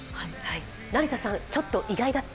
成田さん、ちょっと意外だった。